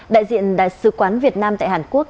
đại diện đại sứ quán việt nam tại hàn quốc